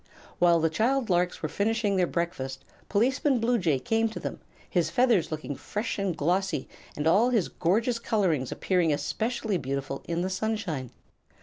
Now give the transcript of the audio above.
While the child larks were finishing their breakfast Policeman Bluejay came to them, his feathers looking fresh and glossy and all his gorgeous colorings appearing especially beautiful in the sunshine.